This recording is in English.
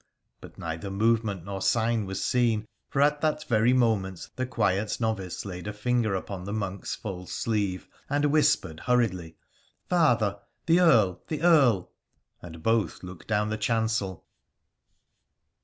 But neither movement nor sign was seen, for at that very moment the quiet novice laid a finger upon the monk's full sleeve and whispered hurriedly, ' Father !— the Earl — the Earl !' and both looked down the chancel.